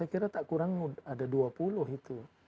saya kira tak kurang ada dua puluh itu